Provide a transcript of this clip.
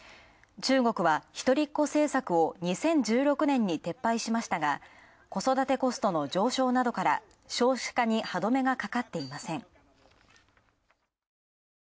中国は一人っ子政策を２０１６年に撤廃しましたが子育てコストの上昇などから少子化に歯止めがかかっていません。